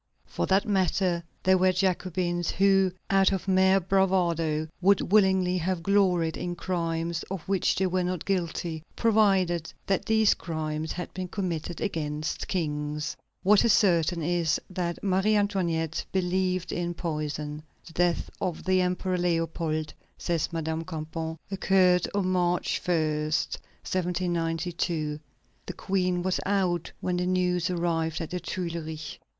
For that matter, there were Jacobins who, out of mere bravado, would willingly have gloried in crimes of which they were not guilty, provided that these crimes had been committed against kings. What is certain is, that Marie Antoinette believed in poison. "The death of the Emperor Leopold," says Madame Campan, "occurred on March 1, 1792. The Queen was out when the news arrived at the Tuileries.